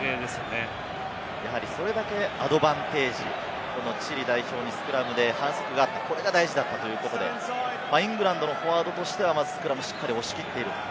それだけアドバンテージ、チリ代表にスクラムで反則があった、これが大事だったということで、イングランドのフォワードとしてはまずスクラムをしっかり押し切っている。